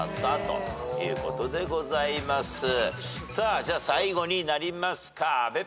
じゃあ最後になりますか阿部ペア。